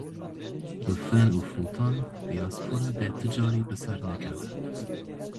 Bi fen û fûtan dîaspora dê ti carî bi ser nekeve.